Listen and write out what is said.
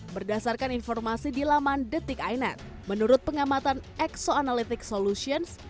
berdasarkan informasi di laman detik ainet menurut pengamatan exoanalytic solutions